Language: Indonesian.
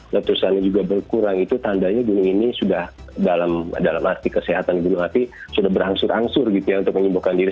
letusannya juga berkurang itu tandanya gunung ini sudah dalam arti kesehatan gunung api sudah berangsur angsur gitu ya untuk menyembuhkan diri